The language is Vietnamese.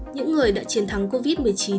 những người đã chiến thắng covid một mươi chín